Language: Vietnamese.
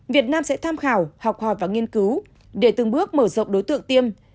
việt nam sẽ tham khảo học hỏi và nghiên cứu để từng bước mở rộng đối tượng tiêm